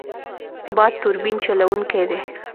باد توربین چلوونکی دی.